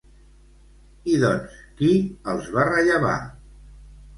I doncs, qui els va rellevar?